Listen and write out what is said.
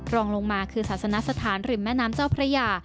รองลงมาคือศาสนสถานริมแม่น้ำเจ้าพระยา